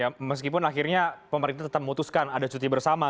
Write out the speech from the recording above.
ya meskipun akhirnya pemerintah tetap memutuskan ada cuti bersama